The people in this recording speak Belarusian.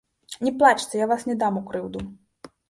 Не плачце, я вас не дам у крыўду.